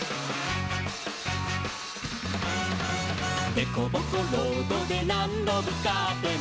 「でこぼこロードでなんどぶつかっても」